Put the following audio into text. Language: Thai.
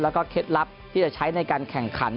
แล้วก็เคล็ดลับที่จะใช้ในการแข่งขัน